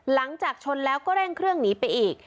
หลังจากชนแล้วก็เร่งเครื่องหนีไปอีก